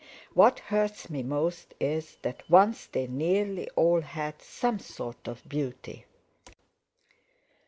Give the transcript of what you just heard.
"What hurts me most is that once they nearly all had some sort of beauty."